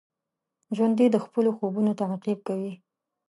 ژوندي د خپلو خوبونو تعقیب کوي